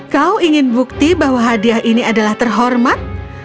kau ingin bukti bahwa hadiah ini adalah terhormat